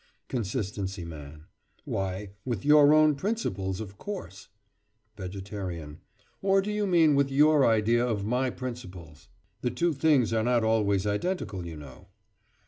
CONSISTENCY MAN: Why, with your own principles, of course. VEGETARIAN: Or do you mean with your idea of my principles? The two things are not always identical, you know.